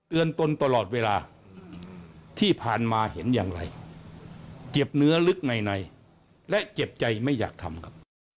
ตนตลอดเวลาที่ผ่านมาเห็นอย่างไรเจ็บเนื้อลึกในในและเจ็บใจไม่อยากทำครับ